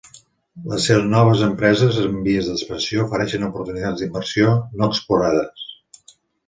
Les noves empreses en vies d'expansió ofereixen oportunitats d'inversió no explorades.